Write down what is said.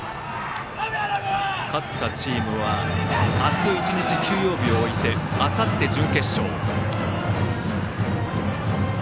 勝ったチームは明日１日休養日をおいてあさって準決勝。